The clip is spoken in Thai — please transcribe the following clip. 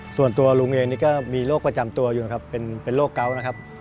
ส่วนตัวลุงเองนี่ก็มีโรคประจำตัวอยู่นะครับเป็นโรคเกาะนะครับ